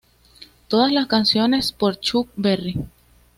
Todas las canciones por Chuck Berry.